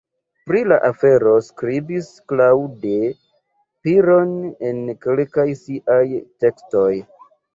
Pri la afero skribis Claude Piron en kelkaj siaj tekstoj.